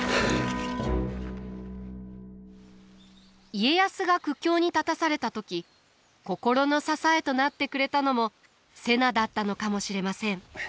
家康が苦境に立たされた時心の支えとなってくれたのも瀬名だったのかもしれません。